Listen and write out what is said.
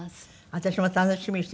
私も楽しみにしています。